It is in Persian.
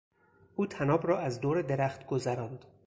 او طناب را از دور درخت گذراند.